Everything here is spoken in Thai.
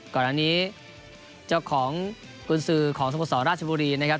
ก่อนหน้านี้เจ้าของคุณซื้อของสมกสรรรัชบุรีนะครับ